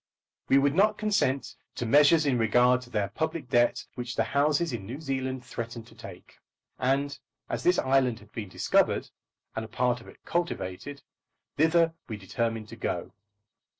We would not consent to measures in regard to their public debt which the Houses in New Zealand threatened to take; and as this island had been discovered, and a part of it cultivated, thither we determined to go.